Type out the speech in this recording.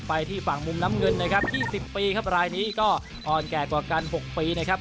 ไปที่ฝั่งมุมน้ำเงินนะครับ๒๐ปีครับรายนี้ก็อ่อนแก่กว่ากัน๖ปีนะครับ